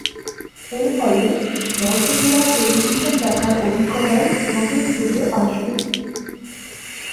এর ফলে, দর্শকেরা টেলিভিশন দেখার অভিজ্ঞতার নতুন যুগে আসবেন।